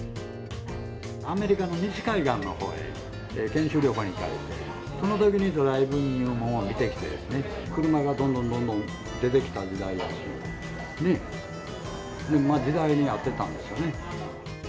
アメリカの西海岸のほうで、研修旅行に行かれて、そのときにドライブインいうもんを見てきてですね、車がどんどんどんどん出てきた時代だし、時代に合ってたんでしょうね。